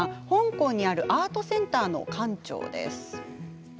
香港にあるアートセンターの館長です。